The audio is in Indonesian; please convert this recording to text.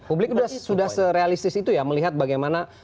publik sudah serealistis itu ya melihat bagaimana